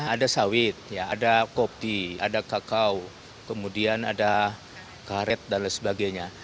ada sawit ada kopi ada kakao kemudian ada karet dan lain sebagainya